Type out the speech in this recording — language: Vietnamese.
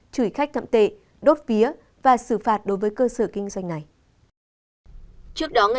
chửi khách thậm tệ đốt vía và xử phạt đối với cơ sở kinh doanh này